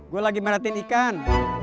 gue lagi merhatiin ikan